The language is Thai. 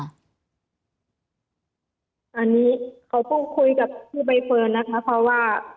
อันนี้เขาพูดคุยกับผู้ใบเฟิร์นนะคะเพราะว่า